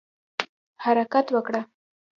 حرکت وکړه